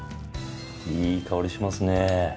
いい香りしますね。